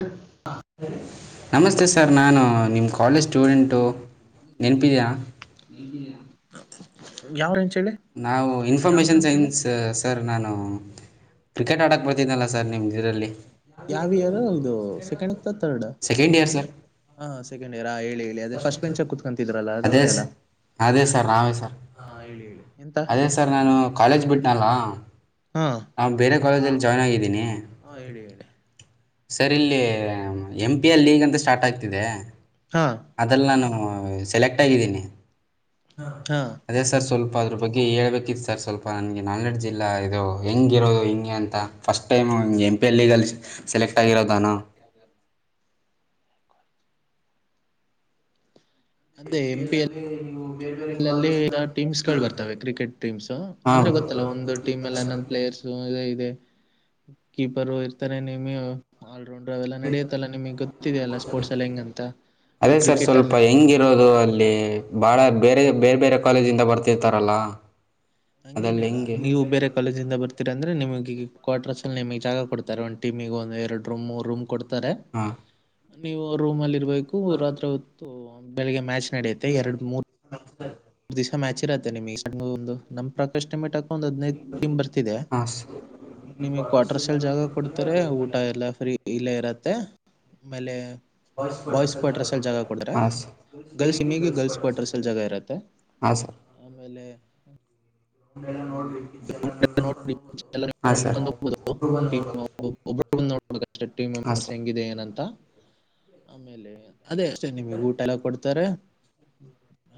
ಹ [unintelligible] ನಮಸ್ತೆ ಸರ್ ನಾನು ನಿಮ್ಮ ಕಾಲೇಜ್ ಸ್ಟೂಡೆಂಟು ನೆನಪಿದೆಯಾ ಯಾವಚ [unintelligible] ನಾವು ಇನ್ [unintelligible] ಇನ್ಫಾರ್ಮೇಶನ್ ಸೈನ್ಸ್ ಸರ್ ನಾನು ಕ್ರಿಕೆಟ್ ಆಡಕ್ ಬರ್ತೀನಲ್ಲ ಸರ್ ನಿಮ ಇದರಲ್ಲಿ ಯಾವ ಇಯರ್ ಇದು ಸೆಕೆಂಡ್ ಅತ ರ್ಡ್ ಸೆಕೆಂಡ್ ಇಯರ್ ಸರ್ ಹ ಸೆಕೆಂಡ್ ಇಯರ್ ಹೇಳಿ ಹೇಳಿ ಅದೇ ಫಸ್ಟ್ ಬೆಂಚ್ ಕುೂತ್ಕೊಂತಿದ್ರಲ್ಲ ಅದು ಅದೇ ಅವರೆಲ್ಲ ಅದೇ ಸರ್ ನಾವೇ ಸರ್ ಹಾ ಹೇಳಿ ಹೇಳಿ ಎಂತ ಅದೇ ಸರ್ ನಾನು ಕಾಲೇಜ್ ಬಿಟ್ಟನಲ್ಲ ಹಾ ನಾ ಬೇರೆ ಕಾಲೇಜಲ್ಲಿ ಜಾಯ್ನ್ ಆಗಿದ್ದೀನಿ ಹಾ ಹೇಳಿ ಹೇಳಿ ಸರ್ ಇಲ್ಲಿ ಎಂ ಪಿ ಎ ಲೀಗ್ ಅಂತ ಸ್ಟಾರ್ಟ್ ಆಗ್ತಿದೆ ಹಾ ಅದಲ್ಲ ನಾನು ಸೆಲೆಕ್ಟ್ ಆಗಿದ್ದೀನಿ ಹ ಹಾ ಅದೇ ಸರ್ ಸ್ವಲ್ಪ ಸ್ವಲ್ಪ ಅದ್ರ ಬಗ್ಗೆ ಹೇಳ್ಬೇಕಿತ್ತು ಸರ್ ಸ್ವಲ್ಪ ನನಗೆ ನಾಲೆಡ್ಜ್ ಇಲ್ಲ ಇದು ಹೆಂಂಗಿರೋದು ಹಿಂಗೆ ಅಂತ ಫಸ್ಟ್ ಟೈಮು ಹಂಗೆ ಎಂ ಪಿ ಎಲ್ ಗೆ ಅಲ್ಲಿ ಸೆಲೆಕ್ಟ್ ಆಗಿರೋದ ನಾನು ಹ [inaudible] ಎಂ ಪಿ ಎಲ್ ಅಲ್ಲಿ ನೀವು ಅಲ್ಲಲ್ಲಿ ಟೀಮ್ಸ್ ಗಳು ಬರ್ತಾವೆ ಕ್ರಿಕೆಟ್ ಟೀಮ್ಸ್ ಹಾಂ ಅಂದ್ರೆ ಗೊತ್ತಲ್ಲ ಒಂದು ಟೀಮ್ ಅಲ್ಲಿ ಹನ್ನೊಂದು ಪ್ಲೇಯರ್ಸ್ ಇದೆ ಕೀಪರ್ ಇರ್ತಾರೆ ನಿಮ ಆಲ್ರೌಂಡ್ ಅವೆಲ್ಲ ನಡೆಯುತ್ತಲ್ಲ ನಿಮಗೆ ಗೊತ್ತಿದೆ ಅಲ್ಲ ಸ್ಪೋರ್ಟ್ಸ್ ಅಲ್ಲಿ ಹೆಂಗಂತ ಅದೇ ಸರ್ ಕ್ರಿಕೆಟ್ ಸ್ವಲ್ಪ ಅಲ್ಲೇ ಹೆಂಗಿರೋದು ಅಲ್ಲಿ ಭಾಳ ಬೇರೆ ಬೇರೆ ಬೇರೆ ಕಾಲೇಜಿಂದ ಬರ್ತಿರ್ತಾರ ಹಂಗೇನಿಲ್ಲ ನೀವು ಬೇರೆ ಕಾಲೇಜಿಂದ ಬರ್ತೀರಾ ಅಂದ್ರೆ ನಿಮಗೆ ಕ್ವಾಟ್ರಸ್ ಅಲ್ಲಿ ನಿಮಗ್ ಜಾಗ ಕೊಡ್ತಾರೆ ಒಂದು ಟೀಮ್ಗೆ ಒಂದ ಎರಡು ರೂಮೂ ರೂಮ್ ಕೊ ಕೊಡ್ತಾರೆ ಹಾಂ ನೀವು ರೂಮ್ ಅಲ್ಲಿ ಇರ ಬೇಕು ರಾತ್ರಿ ಹೊತ್ತು ಬೆಳಿಗ್ಗೆ ಮ್ಯಾಚ್ ನಡೆಯುತ್ತೆ ಎರಡು ಮೂರು ಮೂರ್ ದಿವಸ ಮ್ಯಾಚ್ ಇರತ್ತೆ ನಿಮ ಒಂದು ನಮ್ ಪ್ರಕ ಎಸ್ಟಿಮೇಟ್ ಒಂದ್ ಹದ್ನೈದು ಟೀಮ್ ಬರ್ತಿದೆ ಹಾಂ ಸ ನಿಮಗ್ ಕ್ವಾಟ್ರಸ್ ಅಲ್ಲಿ ಜಾಗ ಕೊಡ್ತಾರೆ ಊಟ ಇಲ್ಲ ಫ್ರೀ ಇಲ್ಲ ಇರ ಮತ್ತೆ ಆಮೇಲೆ ಬಾಯ್ಸ್ ಕ್ವಾಟ್ರಸ್ ಅಲ್ಲಿ ಜಾಗ ಕೊಡ್ತಾರೆ ಗರ್ಲ್ಸ್ ನಿಮಗೆ ಗರ್ಲ್ಸ್ ಕ್ವಾಟ್ರಸ್ ಅಲ್ಲಿ ಜಾಗ ಕೊಡ್ತಾರೆ ಹಾ ಸರ್ ಆಮೇಲೆ ಇಲ್ಲಿ ನೋಡ್ಕೊಂಡು ನೋಡಿ ಹೋಗೋದು ಎಲ್ಲ [inaudible] ನೀವು ಹಾ ಸರ್ ನೋಡ್ಕೊಂಡು ಹೋಗ್ಬೋದು ಟೀಮ್ ಒಬ್ರು ಬಂದು ನೋಡ್ಬೇಕು ಅಷ್ಟೇ ಟೀಮ್ ಹಾ ಮೆಂಬರ್ಸ್ ಸರ್ ಹೆಂಗಿದೆ ಏನಂತ ಆಮೇಲೆ ಅದೇ ಅಷ್ಟೇ ನಿಮಗೆ ಊಟ ಎಲ್ಲ ಕೊ ತ್ತರ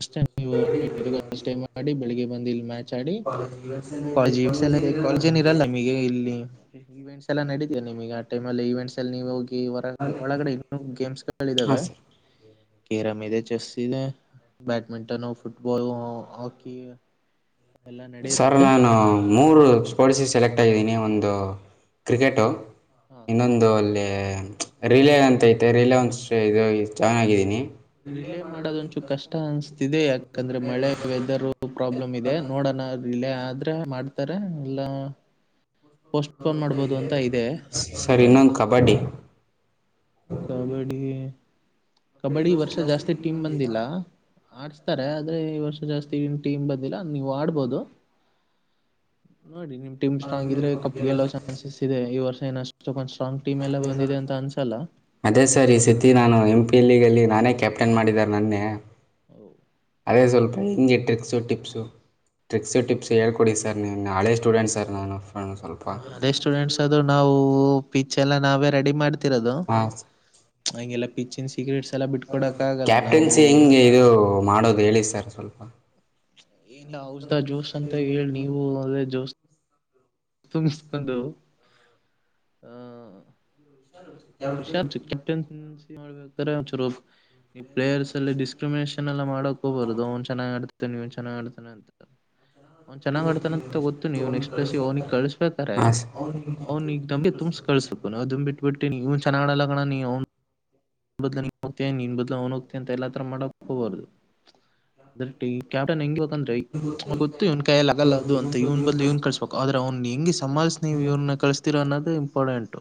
ಅಷ್ಟೆ ನೀವು ಸ್ಟೇ ಮಾಡಿ ಬೆಳಿಗ್ಗೆ ಬಂದಿಲ್ಲಿ ಮ್ಯಾಚ್ ಆಡಿ ಕಾಲೇಜ ಏನ್ ಇರಲ್ಲ ನಿಮಗೆ ಇಲ್ಲಿ ಈವೆಂಟ್ಸ್ ಎಲ್ಲ ನಡೀತ ನಿಮಗೆ ಆ ಟೈಮ ಅಲ್ಲಿ ಇವೆಟ್ಸ್ ಅಲ್ಲಿ ನೀವು ಹೋಗಿ ಹೊರ ಒಳಗಡೆ ಇನ್ನೂ ಗೇಮ್ಸ್ ಹಾಂ ಇದಾವೆ ಸರ್ ಕೇರಂ ಇದೆ ಚೆಸ್ ಇದೆ ಬ್ಯಾಡಮಿಂಟನ್ ಫುಟ್ಬಲ್ ಹಾಕಿ ಎಲ್ಲ ಸರ್ ನಡೆಯುತ್ತೆ ನಾನು ಮೂರು ಸ್ಪೋರ್ಟ್ಸ್ಗೆ ಸೆಲೆಕ್ಟ್ ಆಗಿದ್ದೀನಿ ಒಂದು ಕ್ರಿಕೆಟು ಹಾ ಇನ್ನೊಂದು ಅಲ್ಲಿ ರಿಲೇ ಅಂತ ಐತೆ ರೀಲೆ ಒಂದು ಸ [unintelligible] ಇದು ಚೆನ್ನಾಗಿದ್ದೀನಿ. ರಿಲೇ ಮಾಡೋದೊಂಚು ಕಷ್ಟ ಅನಿಸ್ತಿದೆ ಯಾಕಂದ್ರೆ ಮಳೆ ವೆದರ್ ಪ್ರಾಬ್ಲಮ್ ಇದೆ ನೋಡೋಣ. ಇಲ್ಲೆ ಆದ್ರ ಮಾಡ್ತಾರೆ ಇಲ್ಲ. ಪೋಸ್ಟ್ಪೋನ್ ಮಾಡ್ಬೋದು ಅಂತ ಇದೆ ಸರ ನೋಡ್ತಾಳ ಇನ್ನೊಂದು ಕಬಡ್ಡಿ ಕಬಡ್ಡಿ ಕಬಡ್ಡಿ ಈ ವರ್ಷ ಜಾಸ್ತಿ ಟೀಮ್ ಬಂದಿಲ್ಲ. ಆಡ್ಸ್ತಾರೆ ಆದ್ರೆ ಈ ವರ್ಷ ಜಾಸ್ತಿ ಇನ್ ಟೀಮ್ ಬಂದಿಲ್ಲ ನೀವು ಆಡ್ಬೋದು. ನೋಡಿ ನಿಮ್ ಟೀಮ ಸ್ಟ್ರಾಂಗ್ ಇದ್ರೆ ಕಪ್ ಗೆಲ್ಲೋ ಚಾನ್ಸಸ್ ಇದೆ ಈ ವರ್ಷ. ಸ [inaudible] ಅದೇ ಸರ್ ಈ ಸತಿ ನಾನು ಎಂ ಪಿ ಅಲ್ಲಿ. ಅಲ್ಲಿ ನಾನೇ ಕ್ಯಾಪ್ಟನ್ ಮಾಡಿದ್ದಾರೆ ನನ್ನೆ. ಹೌ ಅದೇ ಸ್ವಲ್ಪ ಹಿಂಗೆ ಟ್ರಿಕ್ಸು ಟಿಪ್ಸು ಟ್ರಿಕ್ಸು ಟಿಪ್ಸ್ ಹೇಳ್ಕೊಡಿ ಸರ್ ನಿಮ್ ಹಳೆ ಸ್ಟೂಡೆಂಟ್ ಸರ್ ನಾನು. ಫ್ರೆಂಡ್ ಸ್ವಲ್ಪ ಅದೇ ಸ್ಟೂಡೆಂಟ್ಸ್ ಅದು ನಾವು ಪಿಚ್ ಎಲ್ಲ ನಾವೇ ರೆಡಿ. ರೆಡಿ ಮಾಡ್ತಿ ಮಾಡ್ತಿರೋದು ಹಾಂ ಹಂಗೆಲ್ಲಾ ಪಿಚ್ಚೆನ್ [inaudible] ಸೀಕ್ರೆಟ್ಸ್ ಎಲ್ಲ ಬಿಟ್ಕೊಡಕ್ ಆಗಲ್ಲ ನಾವು ಕ್ಯಾಪ್ಟನ್ಸಿ ಹೆಂಗೆ ಇದು ಮಾಡೋದು ಹೇಳಿ ಸರ್ ಸ್ವಲ್ಪ ಏನ್ ಔಷಧ ಜ್ಯೋಸ್ ಅಂತ ಹೇಳಿ ನೀವು ಅದ ಜೋಸ್. ತುಂಬಿಸ್ಕೊಂದು ಹಾ ಅದ್ರಷಪ್ಟನ್ [unintelligible] ಮಾಡಬೇಕ್ರ ಈ ಪ್ಲೇಯರ್ಸ್ ಅಲ್ಲಿ ಡಿಸ್ಕ್ರಿಮಿನೇಷನ್ ಎಲ್ಲ ಮಾಡ. ಬರೋದು ಅವ್ನ ಚೆನ್ನಾಗಿ ಆಡ್ತಾನೇ ನೀವು ಚೆನ್ನಾಗಿ ಆಡ್ತಾನೇಅಂತ ಅವ್ನ್ ಚೆನ್ನಾಗ ಆಡ್ತಾನಂತ ಗೊತ್ತು ನೀವು ನಕ್ಸ್ಟ್ ಪ್ಲೇಸ್ಗೆ ಅವ್ನಿಗೆ ಕಳ್ಸ್ಬೇಕಾರೆೆ ಹಾಂ ಸರ್ ಅವ್ನಿಗ್ ತುಂಬಸ ಕಳ್ಸ್ಬೇಕು ಅದನ್ ಬ್ಬಿಟ್ಬಟ್ಟು. ಇವನ್ ಚೆನ್ನಾಗ್ ಆಡಲ್ಲ ಕಣೋ ನಿನ್ ಅವ ಬದ್ಲು ನೀನ್ ಹೋಗ್ತೇ ನಿನ್ ಬದ್ಲುನು ಹೋಗ್ತಾ ಅಂತ ಎಲ್ಲ ಹತ್ತರ ಮಾಡಕ ಹೋಗಬಾರದು ಅದ್ರ ಕ್ಯಾಪ್ಟನ್ ಹೆಂಗ್ ಬಂದ್ರೆ ಗೊತ್ತು ಇವ್ನ್ ಕೈಯಲ್ಲಿ ಆಗಲ್ಲ ಅದು ಅಂತ ಇವ್ನ್ ಬದ್ ಇವನ್ ಕಳ್ಸಸ್ಬೇಕು ಆದ್ರೆ ಅವನು. ಹೆಂಗಗೆ ಸ [inaudible] [inaudible] ನೀವು ಇವ್ರನ್ನ ಕಳಿಸ್ತೀರೋ ಅನ್ನೋದು. ಒಪ್ಪೋನೆಂಟ್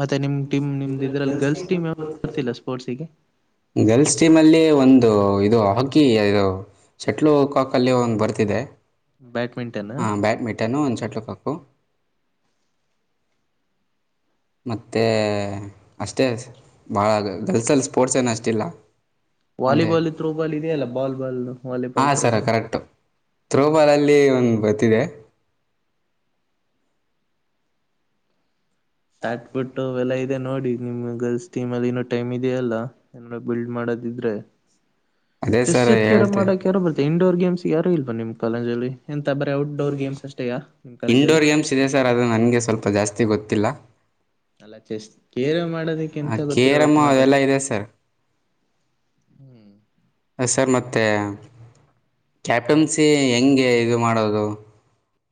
ಮತ್ತೆ ಟೀಮ್ ನಿಮ್ದ್ ಇದ್ರಲ್ಲಿ ಗರ್ಲ್ಸ್ ಟೀಮ್ ಗೊತ್ತಿಲ್ಲ ಸ್ಪೋರ್ಟ್ಸಿಗೆ ಗರ್ಲ್ಸ್ ಟೀಮ್ ಅಲ್ಲಿ ಒಂದು. ಇದು ಹಾಕಿ ಇದು ಸೆಟ್ಲು ಕಾಕಲ್ಲಿ ಒಂದು ಬರ್ತಿದೆ. ಬ್ಯಾಡ್ಮಿಂಟನ್ ಹಾ ಬ್ಯಾಡ್ಮಿಂಟನ್ ಒಂದ್ ಸೆಟ್ಲ್. [inaudible] ಮತ್ತೆ ಅಷ್ಟೇ ಬಾಳ ಗಲ್ಸಲ್ ಸ್ಪೋರ್ಟ್ಸ್ ಏನ ಅಷ್ಟಿಲ್ಲ. ಒಂದೇ ವಾಲಿಬಾಲ್ ಥ್ರೋ ಬಾಲ್ ಇದೆಯಲ್ಲ ಬಾಲ್ ಬಾಲ್ ಹಾ ವಾಲಿಬಾಲ್ ಥ್ರೋ ಸರ ಬಾಲ್ ಕರೆಕ್ಟ್ ಥ್ರೋಬಾಲ್ ಅಲ್ಲಿ ಒಂದು ಇದೆ. ಸಟ್ ಬಿಟ್ಟು ಅವೆಲ್ಲಾ ಇದೆ ನೋಡಿ ನಿಮ್ ಗಲ್ಸ್ ಟಿಮಲ್ಲಿ ಇನ್ನ ಟೈಮ್ ಇದೆಯಲ್ಲ ಏನರ್ ಬಿಲ್ಡ್ ಮಾಡದಿದ್ರೆ. ಅದೇ ಚೆಸ್ ಸರ್ ಕೇರಂ ಹೇಳ್ತೆ ಆಡೋಕ್ ಯಾರೋ ಬರ್ತ್ತೆ ಇಂಡೋರ್ ಗೇಮ್ಸ್ ಯಾರು ಇಲ್ವಾ ನಿಮ್ಗ ಪಲ್ಂಜಲಿ. ಕಾಲೇಜಲ್ಲಿ ಇಂಡೋರ್ ಗೇಮ್ಸ್ ಇದೆ ಸರ್ ಅದು ನನ್ಗೆ ಸ್ವಲ್ಪ ಜಾಸ್ತಿ ಗೊತ್ತ ತ್ತಿಲ್ಲ. ಅಲ್ಲ ಚೆಸ್ ಕೇರ ಮಾಡೋದಕ್ಕೆ ಆ ಎಂತ ಕೇರಂ ಗೊತ್ತಿರ್ಬೇಕು ಮಾರ್ರೆ ಅವೆಲ್ಲಾ ಇದೆ ಸರ್. ಹ್ಮ್ ಸರ್ ಮತ್ತೆ ಕ್ಯಾಪ್ಟನ್ಸಿ ಹೆಂಗೆ ಮಾಡೋದು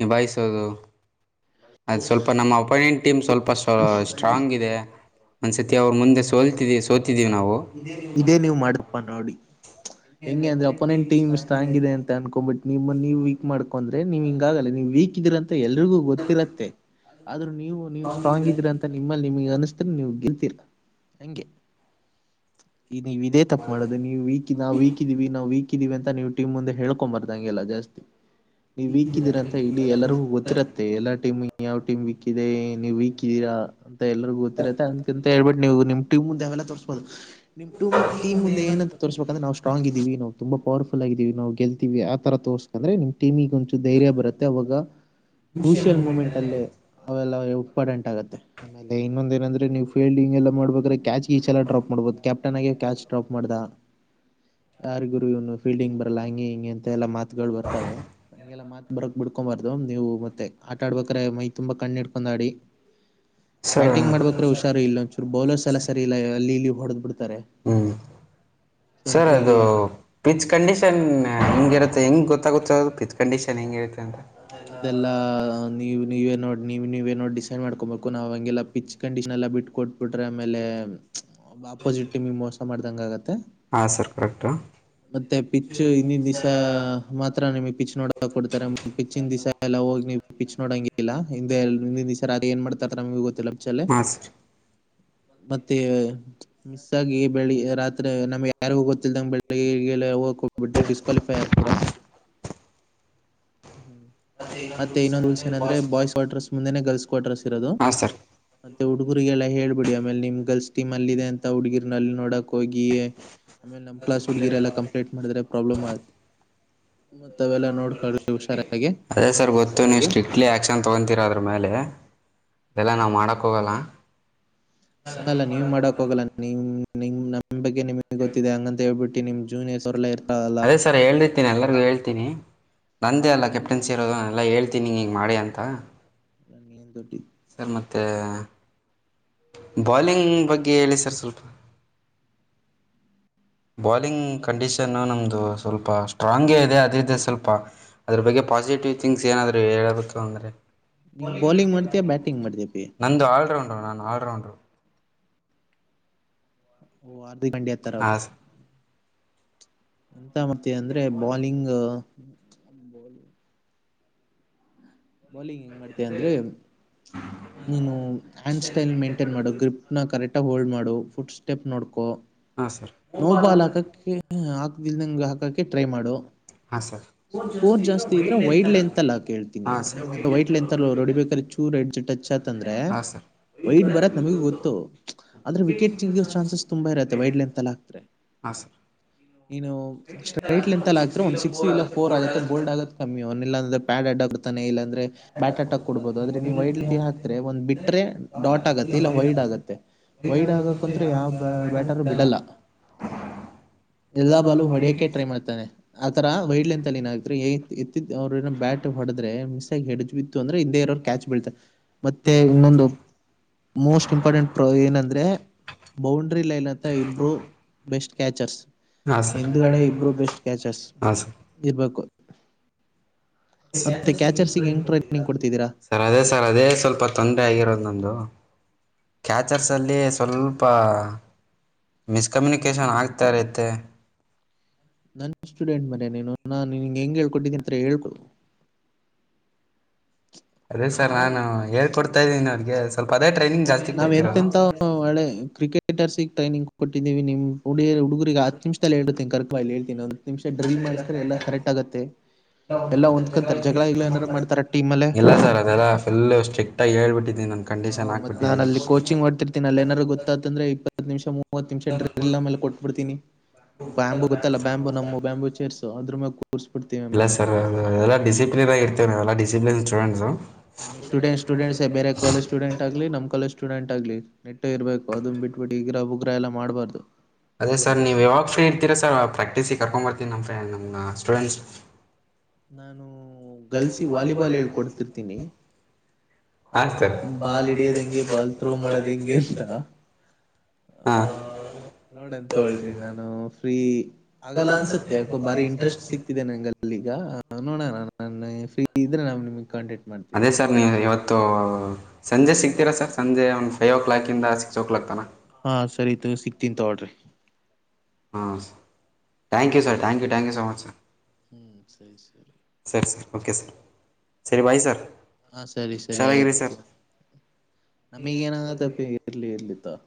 ನಿಭಾಯಿಸೋದು ಅದು ಸ್ವಲ್ಪ ನಮ್ಮ ಅಪೊನೆಂಟ್ ಟೀಮ್ ಸ್ವಲ್ಪ ಸ್ವಲ್ಪ್ ಸ್ಟ್ರಾಂಗ್ ಇದೆ. ಒಂದು ಸತಿ ಅವ್ರ ಮುಂದೆ ಸೋಲ್ತಿವಿ ಸೋತಿದ್ದೀವಿ ನಾವು. ಇದೇ ನೀವು ಮಾಡತ್ಪ್ ನೋಡಿ. ಹೆಂಗೆ ಅಂದ್ರೆ ಅಪೋನೆಂಟ್ ಟೀಮ್ ಸ್ಟ್ರಾಂಗ್ ಇದೆ ಅಂತ ಅನ್ಕೊಂಡ್ಂಬಟ್ ನಿಮ್ಮ್ ನೀವ ವೀಕ್ ಮಾಡ್ಕೊಂಡ್ರೆ ನೀವ ಹಿಂಗಾಗಲ್ಲ ನೀವ ವೀಕ್ ಇದೀರ ಅಂತ ಎಲ್ರಿಗೂ ಗೊತ್ತಿರತ್ತೆ ಆದ್ರೂ ನೀವು ನೀವು ಸ್ಟ್ರಾಂಗ್ ಇದೀರಾ ಅಂತ ನಿಮ್ಮಲ್ಲಿ ನಿಮಗೆ ಅನಸ್ ನೀವು ಗೆಲ್ತೀರ ಹಂಗೆ. ಈ ನೀವ ಇದೇ ತಪ್ಪ ಮಾಡೋದು ನೀವು ವೀಕ್ ನಾ ವೀಕ್ ಇದೀವಿ ನಾವು ವೀಕ್ ದಿವಿ ಅಂತ ನೀವು ಟೀಮ್ ಮುಂದೆ ಹಳ್ಕೊಬರ್ದಂಗೆಲ್ಲ ಜಾಸ್ತಿ ನೀವ್ ವೀಕದ್ದೀರ ಅಂತ ಇಡೀ ಎಲ್ಲರಿಗೂ ಗೊತ್ತಿರತ್ತೆ ಎಲ್ಲಾ ಟೀಮ್ ನೀ ಯಾವ ಟೀಮ್ ವೀಕ್ ಇದೆ ನೀವ ವೀಕದ್ದೀರಾ. ಎಲ್ಲರಿಗೂ ಗೊತ್ತಿರುತ್ತೆ ಅದ್ಕ ಅಂತ ಹೇಳ್ಬಿಟ್ಟ ನೀವು ನಿಮ್ ಟೀಂ ಮುಂದೆ ಅವೆಲ್ಲ ತೋರಿಸ್ಬದು. ನಿಮ ಟಮ ಟೀಮ ಮುಂದ ಏನಂತ ತೋರ್ಬೇಕ ಅಂದ್ರ ನಾವು ಸ್ಟ್ರಾಂಗ್ ಇದೀವಿ ನವು. ತುಂಬ ಪರ್ಫುಲ್ ಆಗಿದೀವಿ ನಾವ ಗೆಲ್ತೀವಿ ಆ ತರ ತೋರ್ಸಸಿದ್ದರೆ ನಿಮ್ ಟೀಮಂಗ ಒಂಚೂರು ಧೈರ್ಯ ಬರುತ್ತೆ ಅವಾಗ ಕ್ರರುಷಿಯಲ್ ಮುಮೆಂಟ್ ಅಲ್ಲೇ ಅವೆಲ್ಲ ಇಂಪಾರ್ಟೆಂಟ್ ಆಗತ್ತೆ ಇನ್ನೊಂದ ಏನಂದ್ರೆ ನೀವು ಫೀಲ್ಡಿಂಗ್ ಎಲ್ಲಾ ಮಾಡಬೇಕರೆ ಕ್ಯಾಚ್ ಗಿಚ್ ಎಲ್ಲಾ ಡ್ರಪ್ ಮಾಡ್ಬಹದು ಕ್ಯಾಪ್ಟನ್ ಆಗಿ ಕ್ಯಾಚ್ ಡ್ರಾಪ್ ಮಾಡ್ದ ಯಾರ ಗುರು ಇವನು ಫೀಲ್ಡಿಂಗ್ ಬರಲ್ಲ ಹಂಗೆ ಹಿಂಗೆ ಅಂತಾ ಎಲ್ಲಾ ಮಾತ್ ಗಳು ಬರ್ತವೆ ಹಂಗೆಲ್ಲಾ ಮಾತ್ ಬರಕ್ ಬಿಡ್ಕೊಬಾರದು ನೀವು ಮತ್ತ ಮತ್ತೆ ಆಟ ಆಡ್ಬೇಕಾರೆ ಮೈ ತುಂಬಾ ಕಣ್ಣ ಇಡ್ಕೊಂಡ್ ಆಡಿ. ಸರ್ ಬ್ಯಾಟಿಂಗ್ ಮಾಡ್ಬೇಕ್ರರೆ ಹುಷಾರು ಇಲ್ಲ ಒಂಚೂರು ಬೌಲರ್ಸ್ ಎಲ್ಲ ಸರಿ ಇಲ್ಲ ಅಲ್ಲಿ ಇಲ್ಲಿ. ಹೊಡದ ಬುಡ್ ಹ್ಮ್ ಸರ್ ಅದು ಸೆಂಟ್ರಿಗೆ ಪಿಚ್ ಕಂಡೀಷನ್ ಹೆಂಗಿರತ್ತೆ ಹೆಂಗ್ ಗೊತ್. ಗೊತ್ತ ಆಗುತ್ತ ಅದು ಪಿತ್ ಕಂಡೀಷನ್ ಹೆಂಗಗಿರುತ್ತೆ ಅಂತ. ಅದೆಲ್ಲಾ. ನೀವು ನೀವೇ ನೋಡಿ ನೀವು ನೀವೇ ನೋಡ್ ಡಿಸೈಡ್ ಮಾಡ್ಕೊಬೇಕು ನಾವು ಹಂಗೆಲ್ಲ ಪಿಚ್ ಕಂಡೀಷನ್ ಎಲ್ಲ ಬಿಟ್ಟು ಕೊಟ್ಟಬಿಟ್ರೆ ಆಮೇಲೆ. ಬ್ಬ ಆಪೋಸಿಟ್ ಟೀಮಿಗ ಮೋಸ ಮಾಡ್ ಹಂಗ್ ಆಗತ್ ತಾ ಹಾಂ ಸರ್ ಕರೆಕ್ಟು ಮತ್ತೆ ಪಿಚ್ ಹಿಂದಿದ್ ದಿವ್ಸ ಮಾತ್ರ ನಿಮಿಗ್ ಪಿಚ್ ನೋಡಕ ಕೊಡ್ತಾರೆ ಚಿಂದಿಸಾ ಎಲ್ಲ ಹೋಗಿ. ನೀವು ಪಿಚ್ ನೋಡಂಗಿಲ್ಲ ಹಿಂದೆ ಎಲ್ ಹಿಂದಿನ ದಿವ್ಸ ರಾತ್ರಿ ಎನ್ ಮಾಡ್ತ ನಮಿಗೆ ಗೊತ್ತಿಲ್. ಹ ಸರ್ ಮತ್ತೆ ಮಿಸ್ ಆಗಿ ಬೆಳಿ ರಾತ್ರೆ ನಮ್ಗೆ ಯಾರಿಗೂ ಗೊತ್ತಲ್ದಂಗ ಬೆಳಿಗ್ಗೆ ಎಲ್ಲ ಹೋಗ ಹೋಗ್ ಬಿಟ್ ಡಿಸ್ಕ್ವಾಲಿಫೈ ಆಗ್ತೀರಾ. ಹ್ಮ್ ಮತ್ತೆ ಇನ್ನೊಂದು ರುಲ್ಸಾ ಏನಂದ್ರೆ ಬಾಯ್ಸ್ ಕ್ವಾಟರ್ಸ್ ಮುಂದೆನೆ ಗರ್ಲ್ಸ್ ಕ್ವಾಟರ್ಸ್ ಇರೋದು. ಹಾಂ ಸರ್ ಮತ್ತೆ ಹುಡುಗುರಿಗೆಲ್ಲ ಹೇಳ್ಬಿಡಿ ಆಮೇಲ್ ನಿಮ್ ಗಲ್ಸ್ ಟಿಮ್ ಅಲ್ಲಿದೆ ಅಂತ ಹುಡ್ಗಿರ್ನಲ್ಲಿ ನೋಡಕ್ ಹೋಗಿ ಯ ಆಮೇಲ್ ನಮ್ ಕ್ಲಾಸ್ ಹುಡುಗಿರೆಲ್ಲ ಕಂಪ್ಲೇಟ ಮಾಡದ್ರೆ ಪ್ರಬ್ಲಮ್ ಆಯ ಮತ್ತ್ ಅವೆಲ್ಲ ನೋಡ್ಕೋ ಅದೇ ಸರ್ ಗೊತ್ತು ನೀವು ಸ್ಟ್ರಿಕ್ಲಿ ಆಕ್ಷನ್ ತ ತೊಗೊಂತಿರಾ ಅದರ ಮೇಲೆ. ಇದೆಲ್ಲ ನಾವ್ ಹ್ಮ್ ಮಾಡಕ್ ಹೋಗಲ್ಲ. ಹಂಗಲ್ಲ ನೀವ್ ಮಾಡಕ್ ಹೋಗಲ್ಲ ನಿಮ್ ನಿಂಗ್ ನಮ್ ನಿಂಬಗ್ಗೆ ನಿಮಿಗ್ ಗೊತ್ತಿದೆ ಹಂಗಂತ ಹೇಳ್ಬಿಟ್ಟ. ತಿ ನಿಮ್ ಜೂನಿಯರ್ಸ್ ಅವರೆಲ್ಲ ಇರ್ ಅದೇ ಸರ್ ಹೇಳಿರ್ತೀನಿ ಎಲ್ಲರಿಗು ಹೇಳ್ತೀನಿ. ನಂದೇ ಅಲ್ಲ ಕೆಪ್ಟನ್ಸಿ ಇರೋದು ನಾ ಎಲ್ಲ ಹೇಳ್ ತಿ ನಿ ಹಿಂಗ್ ಮಾಡಿ ಅಂತ. ನಂಗ್ ಏನ್ ದೊಡ್ಡಿ. ಸರ್ ಮತ್ತೆ. ಬಾಲಿಂಗ್ ಬಗ್ಗೆ ಹೇಳಿ ಸರ್ ಸ್ವಲ್ಪ. ಬಾಲಿಂಗ್ ಕಂಡೀಷನ್ ನಮ್ದು ಸ್ವಲ್ಪ ಸ್ಟ್ರಾಂಗ್ ಹ್ಹ ಅದೇ ಇದೆ ಸ್ವಲ್ಪ. ಅದ ಬಗ್ಗೆ ಪಾಸಿಟಿವ್. ಟೀಚಿಂಗ್ ಏನಾದ್ರೂ ಹೇಳಬೇಕು ಅಂದ್ರೆ ನೀನ್ ಬೌಲಿಂಗ್ ಮಾಡ್ತೀಯಾ ಬ್ಯಾಟಿಂಗ್ ಮಾಡ್ತೀಯಾ ಪಿ ನಂದು ಆಲ್ರೌಂಡರು ನಾನ ಆರೌಂಡರು. [inaudible] ಹಾಂ [unintelligible] [inaudible] ಮಾಡ್ತೀವಿ ಅಂದ್ರೆ ಬಾಲಿಂಗ್. [inaudible] ಬೋಲಿಂಗ ಮಾಡ್ ಅಂದ್ರೆ ನೀನು ಹ್ಯಾಂಡ್ ಸ್ಟೈಲ್ ಮೇಂಟೈನ್ ಮಾಡೋ ಗ್ರಿಪ್ ನ ಕರೆಕ್ಟ್ ಹೋಲ್ಡ್ ಮಾಡ ಫುಟ್ ಸ್ಟೆಪ್ ನೋಡ್ಕೋ. ಸರ್ ನೋ ಬಾಲಕಕ್ಕೆ. ಲ್ ನಂಗೆ ಹಾಕಕೆ ಟ್ರೈ ಮಾಡು. ಹಾಂ ಸರ್ ಸ್ಕೋರ್ ಜಾಸ್ತಿ ಇದ್ರೆ ವೈಡ್ ಲೆಂತ್ ಅಲ್ಲಿ ಹಾಕು ಹೇಳ್ತೀನಿ ಹಾಂ ಸರ್ ಹೆಂಗ ವೈಡ್ ಲೆಂತ್ ಅಲ್ಲಿ ಅವ್ರು ಹೊಡೀಬೇಕಾದ್ರೆ ಚೂರ್ ಎಡ್ಜ್ ಟಚ್ ಆತ್ ಅಂದ್ರೆ ಹಾಂ ಸರ್ ಹಾಂ ಸರ್ ವೈಡ್ ಬರತ್ ನಮಗೂ ಗೊತ್ತು ಅಂದ್ರೆ ವಿಕೆಟ್ ತಿಂಗಿ ಚಾನ್ಸಸ್ ತುಂಬಾ ಇರತ್ತೆ ವೈಡ್ ಲೆಂತ್ ಅಲ್ಲಿ ಹಾಕಿದ್ರೆ. ಹಾಂ ಸರ್ ನೀನು ಸ್ಟ್ರೈಟ್ ಲೆಂತ್ ಅಲ್ಲಿ ಹಾಕ್ತೆ ಒನ್ ಸಿಕ್ಸ್ ಇಲ್ಲ ಫೋರ್ ಆಗುತ್ತೆ ಬೋಲ್ಡ್ ಆಗೋದು ಕಮ್ಮಿ ಅವ ಇಲ್ಲ ಅಂದ್ರೆ ಪ್ಯಾಡ್ಡ್ ಅಡ್ಡ ಆಗ್ಬೇ ತಾನೇ ಇಲ್ಲ ಅಂದ್ರೆ ಬ್ಯಾಟರ್ಟಕ್ ಕೊಡ್ಬಹುದು ಅಂದ್ರೆ ವೈಡ್ ಲೆಂಥ್ ಹಾಕಿದ್ರೆ ಒಂದ್ ಬಿಟ್ರೆ ಡಾಟ್ ಆಗುತ್ತೆ ಇಲ್ಲ ವೈಡ್ ಆಗತ್ತೆ ವೈಡ್ ಆಗಕ ಅಂತ್ರೆ ಯಾವ ಬ್ಯಾಟರ್ ಬಿಡಲ್ಲ ಎಲ್ಲಾ ಬಾಲು ಹೊಡಿಯಕೆ ಟ್ರೈ ಮಾಡ್ತಾನೆ ಆತರ. ವೈಡ್ ಲೆಂತ್ ಅಲ್ಲಿ ಏನಾದ್ರು ಎತ್ತ ಅವ್ರ ಏನ್ ಬ್ಯಾಟ್ ಹೊಡದ್ರೆ. [unintelligible] ಇ ಅಂದ್ರೆ ಹಿಂದೆ ಇರೋ ಕ್ಯಾಚ್ ಬೀಳತ ಮತ್ತೆ ಇನ್ನೊಂದು ಮೋಸ್ಟ್ ಇಂಪಾರ್ಟೆಂಟ್ ಪ್ರ ಏನಂದ್ರೆ ಬೌಂಡ್ರಿ ಲೈನ್ ಅಂತ ಇಬರು ಬೆಸ್ಟ್ ಕ್ಯಾಚರ್ಸ್ ಹಾಂ ಸರ್ ಹಿಂದ್ಗಡೆ ಇಬ್ರು ಬೆಸ್ಟ್ ಕ್ಯಾಚರ್ಸ್. ಹಾಂ ಸರ್ ಇರ್ಬೇಕ. ಕೊಡ್ತಿದ್ದೀರಾ ಸರ್ ಅದೇ ಸರ್ ಅದೇ ಸ್ವಲ್ಪ ತೊಂದರೆ ಆಗಿರೋದ ನಮ್ದು. ಕ್ಯಾಚರ್ಸ್ ಅಲ್ಲಿ ಸ್ವಲ್ಪ. ಮಿಸ್ಕಮ್ಯುನಿಕೇಶನ್ ಆಗ್ತಾ ಇರುತ್ತೆ. ನನ್ ಸ್ಟೂಡೆಂಟ್ ಮರ ನೀನು ನಾ ನಿನ್ಗೆ ಹೆಂಗೆ ಹೇಳ್ಕೊಟ್ಟಿದ್ದಿ ಅಂತ ಹೇಳ್ಕೊಡೂ. ಅದೇ ಸರ್ ನಾನು ಹೇಳ್ ಕೊಡ್ತಾ ಇದೀನಿ ಅವ್ರಿಗೆ ಸ್ವಲ್ಪ ಅದೇ ಟ್ರೈನಿಂಗ್ ಜಾಸ್ತಿ ನಾವ್ ಕೊಡ್ತಿರೋದು. ಎಂತೆಂತ ಒಳ್ಳೆ ಕ್ರಿಕೆಟರ್ಸಿಗೆ ಟ್ರೈನಿಂಗ್ ಕೊಟ್ಟಿದ್ದೀವಿ ನಿಮ್ ಉಡಿಯ ಹುಡುಗರಿಗೆ ಹತ್ತು ನಿಮಿಷದಲ್ಲಿ ಹೇಳ್ತೀನಿ ಕರ್ಕೊಂಡು ಬಾ. ಹೇಳ್ತೀನಿ. ನಿಮಿಷ ಡ್ರಿಲ್ ಮಾಡಿಸತಾರೆ ಎಲ್ಲಾ ಕರೆಕ್ಟ್ ಆಗುತ್ತೆ ಎಲ್ಲಾ ಹೊಂದ್ಕಂತಾರೆ ಜಗಳ ಇಲ್ಲ ಏನಾರ ಮಾಡ್ತಾರ. ಟೀಮ್ ಅಲ್ಲೇ ಇಲ್ಲ ಸರ್ ಅದೆಲ್ಲ ಫುಲ್ ಸ್ಟ್ರಿಕ್ಟ್ ಆಗಿ ಹೇಳ್ಬಿಟ್ಟ ಹಾ ಮತ್ತ್ ನಾನ್ ಅಲ್ಲಿ ಕೋಚಿಂಗ್ ಮಾಡ್ತಿರ್ತೀನಿ ಅಲ್ಲಿ ಏನಾರು ಗೊತ್ತಾತಂದ್ರೆ ಇಪ್ಪ ನಿಮಿಷಮೂ ಮೂವತ್ ನಿಮಿಷ ಡ್ರಿಲ್ ಆಮೇಲೆ ಕೊಟ್ಟು ಬಿಡ್ತೀನಿ ಬ್ಯಾಂಬು ಇರುತ್ತಲ್ಲ ಬ್ಯಾಂಬು ನಮ್ಮ ಬ್ಯಾಂಬು ಚೇರ್ಸ್ ಆದ್ರೂ ಮ್ಯಾಗು. ಇಲ್ಲ ಸರ್ ಓವರ್ ಆಲ್ ಡಿಸಿಪ್ಲಿನ್ ಆಗ ಇರ್ತೇವೆ ನಾವು ಎಲ್ಲ ಡಿಸಿಪ್ಲಿನ್ ಪ್ಲಾನ್ ಜೋ ನಮ್ಮಿ ಸ್ಟೂಡೆಂಟ್ ಸ್ಟೂಡೆಂಟ್ಸ್ ಬೇರೆ ಕಾಲೇಜು ಸ್ಟೂಡೆಂಟ್ ಆಗ್ಲಿ ನಮ್ಮ ಕಾಲೇಜು ಸ್ಟುಡೆಂಟ್ ಆಗಲಿ ನೆಟ್ಟ ಇರಬೇಕು ಅದನ್ನ ಬಿಟ್ಬಿಟ್ಟು ಇಗಿರಾಹುಲ್ ಉಗ್ರ ಎಲ್ಲ ಮಾಡ್ಬಾರ್ದು ಅದೇ ಸರ್ ನೀವು ಯಾವಾಗ ಫ್ರೀ ಇರ್ತೀರಾ ಸರ್ ಪ್ರಾಕ್ಟೀಸ್ ಸಿ ಕರ್ಕೊಂಡು ಬರ್ತೀನಿ ನಮ್ಮ ಫ್ರೆಂಡ್ ನಮ್ಮ ಸ್ಟೂಡೆಂಟ್ಸ್. ನಾನು ಗರ್ಲ್ಸ್ ಗೆ ವಾಲಿಬಾಲ್ ಹೇಳ್ಕೊಡ್ತಿರ್ತೀನಿ, ಆ ಹಾಂ ಸರ್ ಬಾಲ್ ಹಿಡಿಯೋದ್ ಹೆಂಗೆ ಬಾಲ್ ಥ್ರೋ ಮಾಡೋದ್ ಹೆಂಗೆ ಅಂತ ಹಾ ಆಹ ನೋಡಂತೊಳ್ರಿ ನಾನು ಫ್ರೀ ಆಗಲ್ಲ ಅನ್ಸತ್ತೆ ಯಾಕೋ ಬಾರಿ ಇಂಟ್ರೆಸ್ಟ್ ಸಿಕ್ತಿದೆೆ ನಂಗೆಲ್ಲಿ ಈಗ. ಎನ್ನೋಣ ನನ್ನ ಫ್ರೀ ಇದ್ರೆ ನಾ ನಿನಗೆ, ಅದೇ ಸರ್ ನೀ ಇವತ್ತು ತ್ತೊ ಸಂಜೆ ಸಿಕ್ತೀರಾ ಸರ್ ಸಂಜೆ ಅವ್ ಟ್ವಲ್ವ್ ಓ ಕ್ಲಾಕ್ ಇಂದ ಸಿಕ್ಸ್ ಓ ಕ್ಲಾಕ್ ತನ ಹಾ ಸರಿತು ಸಿಗ್ತೀನ್ ತಗೋಳ್ರಿ. ಹಾಂ thank you sir thank you thank you so much sir. ಹ್ಮ್ ಸರಿ ಸರಿ, ಸರಿ ಸರ್ ಓಕೆ ಸರ್ ಸರಿ ಬಾಯ್ ಸರ್ ಹ ಸರಿ ಸರಿ ಹುಷಾರಾಗಿರಿ ಸರ್ ಆಯ್ತು ನಮಿಗೇನು ಏನಾಗತ್ತಪ್ಪ ಇರ್ಲಿ ಇರ್ಲಿ ತ